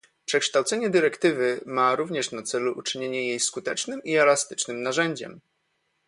Przekształcenie dyrektywy ma również na celu uczynienie jej skutecznym i elastycznym narzędziem